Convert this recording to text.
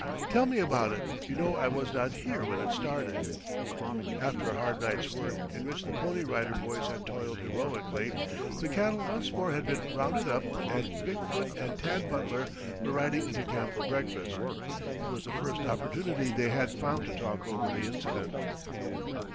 "Tell me about it. You know I was not here when it started." After a hard night's work, in which the Pony Rider Boys had toiled heroically, the cattle once more had been rounded up and Big foot and Tad Butler were riding into camp for breakfast. It was the first opportunity they had found to talk over the incident.